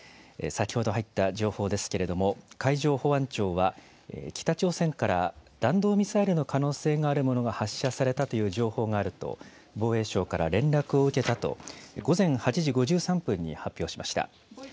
先ほど入った情報ですけれども、海上保安庁は、北朝鮮から弾道ミサイルの可能性があるものが発射されたという情報があると、防衛省から連絡を受けたと、午前８時５３分に発表しました。